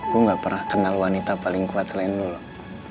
gua gak pernah kenal wanita paling kuat selain lu loh